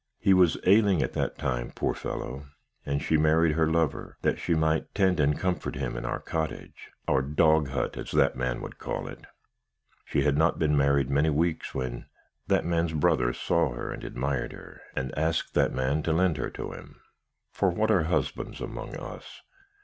He was ailing at that time, poor fellow, and she married her lover, that she might tend and comfort him in our cottage our dog hut, as that man would call it. She had not been married many weeks, when that man's brother saw her and admired her, and asked that man to lend her to him for what are husbands among us!